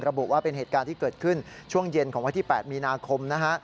ระบุว่าเป็นเหตุการณ์ที่เกิดขึ้นช่วงเย็นของวันที่๘มีนาคมนะฮะ